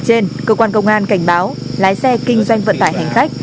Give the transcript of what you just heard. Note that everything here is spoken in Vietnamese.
trên cơ quan công an cảnh báo lái xe kinh doanh vận tải hành khách